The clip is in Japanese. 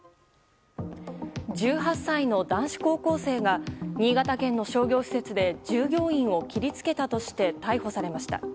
１８歳の男子高校生が新潟県の商業施設で従業員を切りつけたとして逮捕されました。